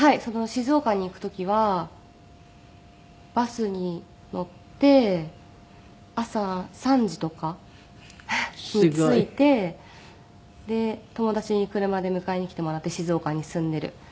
静岡に行く時はバスに乗って朝３時とかに着いてで友達に車で迎えに来てもらって静岡に住んでいる。